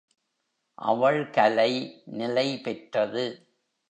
அவள் கலை நிலைபெற்றது.